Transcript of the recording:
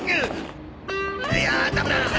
いやダメだ！